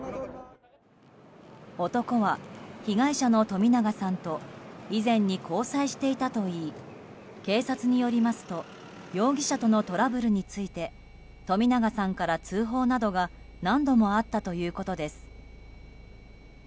男は、被害者の冨永さんと以前に交際していたといい警察によりますと容疑者とのトラブルについて冨永さんから通報などが何度もあったということです。